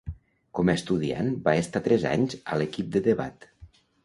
Com a estudiant, va estar tres anys a l'equip de debat.